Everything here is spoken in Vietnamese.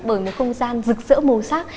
bởi một không gian rực rỡ màu sắc